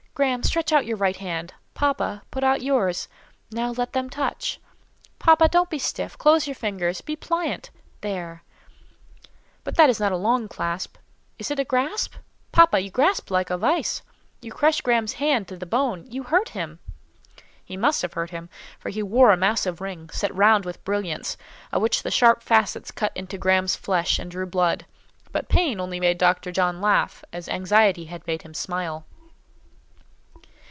Graham, stretch out your right hand. Papa, put out yours. Now, let them touch. Papa, don't be stiff; close your fingers; be pliant—there! But that is not a clasp—it is a grasp? Papa, you grasp like a vice. You crush Graham's hand to the bone; you hurt him!" He must have hurt him; for he wore a massive ring, set round with brilliants, of which the sharp facets cut into Graham's flesh and drew blood: but pain only made Dr. John laugh, as anxiety had made him smile.